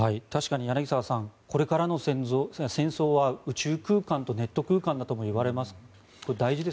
確かに柳澤さんこれからの戦争は宇宙空間とネット空間だともいわれます。